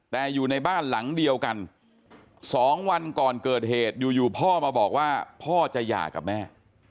แต่อยู่ในบ้านหลังเดียวกัน๒วันก่อนเกิดเหตุอยู่พ่อมาบอกว่าพ่อจะหย่ากับแม่